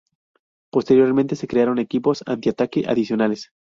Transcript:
Posteriormente se crearon equipos antitanque adicionales.